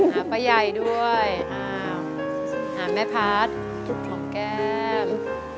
หาป้าใหญ่ด้วยหาแม่พัฒน์หอมแก้ม